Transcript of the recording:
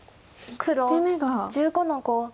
黒１５の五。